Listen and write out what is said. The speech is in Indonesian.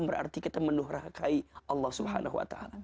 berarti kita menuhrakai allah swt